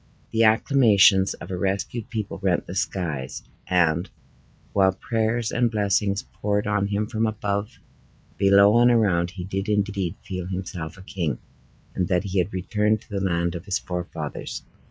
The acclamations of a rescued people rent the skies; and, while prayers and blessings poured on him from above, below, and around, he did indeed feel himself a king, and that he had returned to the land of his forefathers.